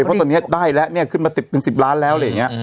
เพราะตอนนี้ได้แล้วเนี่ยขึ้นมาติดเป็น๑๐ล้านแล้วอะไรอย่างนี้